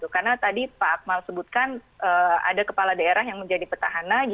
karena tadi pak akmal sebutkan ada kepala daerah yang menjadi petahana